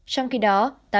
trong khi đó